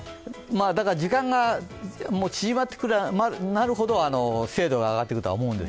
だから時間が縮まってくるほど精度が上がってくると思います。